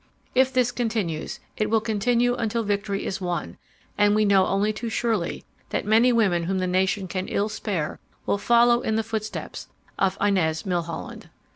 If this continues, and it will continue until victory is won, we know only too surely that many women whom the nation can ill spare will follow in the footsteps of Inez Milholland.